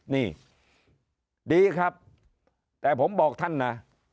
นี่ดีครับแต่ผมบอกท่านนะ